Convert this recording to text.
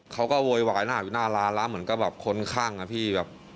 เขาก็โวยวายหน้าร้านแล้วเหมือนก็แบบคนข้างอ่ะพี่